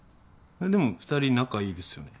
えっでも２人仲いいですよね。